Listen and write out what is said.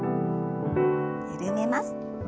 緩めます。